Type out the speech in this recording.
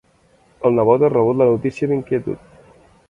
El nebot ha rebut la notícia amb inquietud.